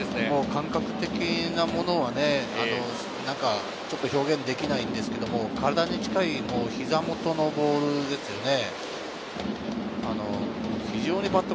感覚的なものはちょっと表現できないですけれど、体に近い膝もとのボールですよね。